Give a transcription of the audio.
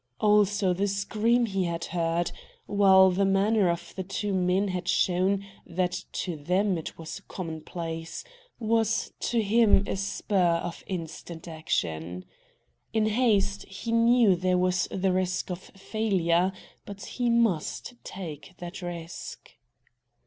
Also, the scream he had heard, while the manner of the two men had shown that to them it was a commonplace, was to him a spur to instant action. In haste he knew there was the risk of failure, but he must take that risk.